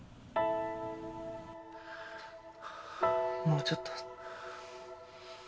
もうちょっと。